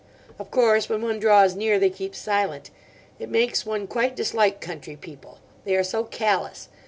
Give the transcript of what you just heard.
Of course when one draws near they keep silent. It makes one quite dislike country people. They are so callous.